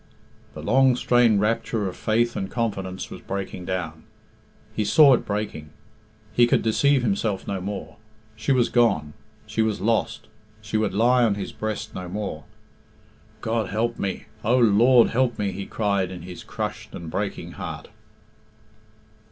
The long strained rapture of faith and confidence was breaking down. He saw it breaking. He could deceive himself no more. She was gone, she was lost, she would lie on his breast no more. "God help me! O, Lord, help me," he cried in his crushed and breaking heart.